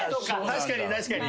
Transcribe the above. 確かに確かに。